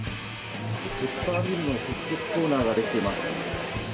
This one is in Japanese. ペッパーミルの特設コーナーが出来ています。